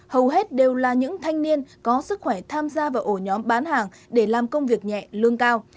hầu hết đều là những thanh niên có sức khỏe tham gia vào ổ nhóm bán hàng để làm công việc nhẹ lương cao